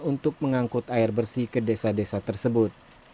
untuk mengangkut air bersih ke desa desa tersebut